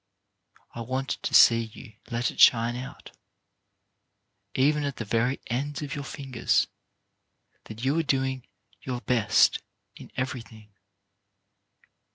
I want to see you let it shine out, even at the very ends of your fingers, that you are doing your best in everything.